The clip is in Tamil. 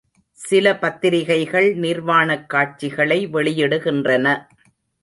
சில பத்திரிகைகள் நிர்வாணக் காட்சிகளை வெளியிடுகின்றன.